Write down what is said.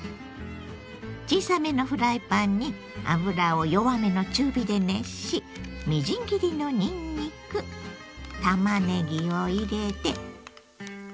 小さめのフライパンに油を弱めの中火で熱しみじん切りのにんにくたまねぎを入れて。